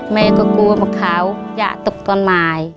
แม่ก็กลัวว่าเขาอยากตกตอนมา